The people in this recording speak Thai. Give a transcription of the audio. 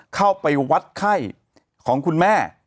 เข้าไปวัดไข้ของคุณแม่